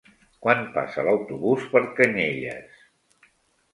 Quan passa l'autobús per Canyelles?